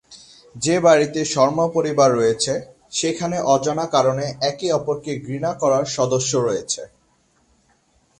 যে বাড়িতে শর্মা পরিবার রয়েছে, সেখানে অজানা কারণে একে অপরকে ঘৃণা করার সদস্য রয়েছে।